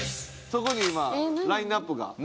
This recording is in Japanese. そこに今ラインアップが。